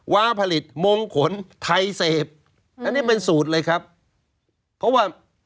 ้าผลิตมงขนไทยเสพอันนี้เป็นสูตรเลยครับเพราะว่า